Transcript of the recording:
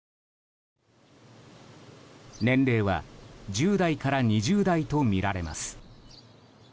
年齢は１０代から２０代とみられます。